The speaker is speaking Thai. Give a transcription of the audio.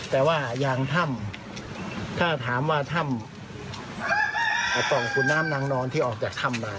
แต่ว่ายางถ้ำถ้าถามว่าถ้ำปล่องคุณน้ำนางนอนที่ออกจากถ้ำมา